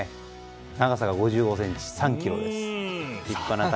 長さが５５ｃｍ、３ｋｇです。